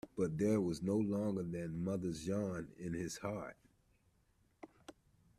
But there was no longer the mother yearning in his heart.